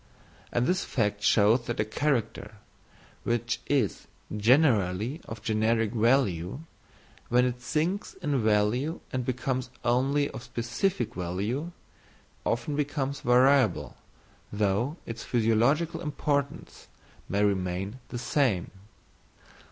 And this fact shows that a character, which is generally of generic value, when it sinks in value and becomes only of specific value, often becomes variable, though its physiological importance may remain the same.